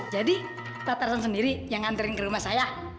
jadi mba tarsan sendiri yang nganterin ke rumah saya